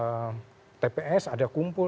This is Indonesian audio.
ada tps ada kumpul